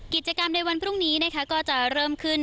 กิจกรรมในวันพรุ่งนี้ก็จะเริ่มขึ้น